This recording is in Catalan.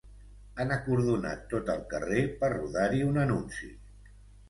Han acordonat tot el carrer per rodar-hi un anunci.